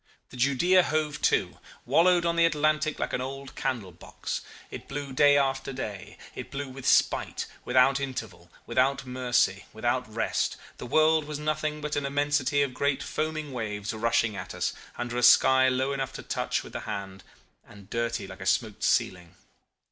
The Judea, hove to, wallowed on the Atlantic like an old candlebox. It blew day after day: it blew with spite, without interval, without mercy, without rest. The world was nothing but an immensity of great foaming waves rushing at us, under a sky low enough to touch with the hand and dirty like a smoked ceiling.